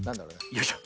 よいしょ。